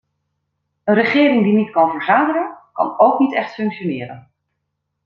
Een regering die niet kan vergaderen, kan ook niet echt functioneren.